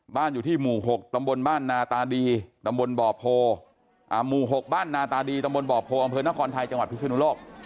บ้านอยู่ที่หมู่๖ตำบลบ้านนาตาดีตำบลบ่อโพอำเผือนขอนไทยจังหวัดพฤศนุโลก